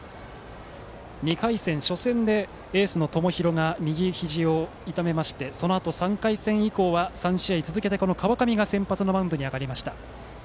２回戦、初戦でエースの友廣が右ひじを痛めてそのあと３回戦以降は３試合続けて川上が先発のマウンドに上がりました。